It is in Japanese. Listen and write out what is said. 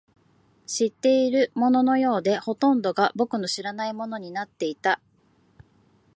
知っているもののようで、ほとんどが僕の知らないものになっていた